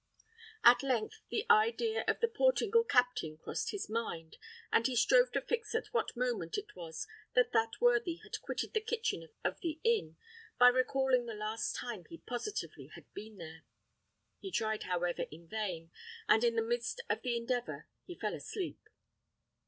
At length the idea of the Portingal captain crossed his mind, and he strove to fix at what moment it was that that worthy had quitted the kitchen of the inn, by recalling the last time he positively had been there. He tried, however, in vain, and in the midst of the endeavour he fell asleep.